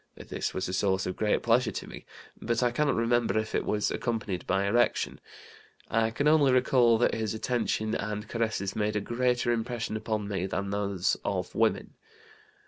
This was a source of great pleasure to me, but I cannot remember if it was accompanied by erection. I can only recall that his attention and caresses made a greater impression upon me than those of women.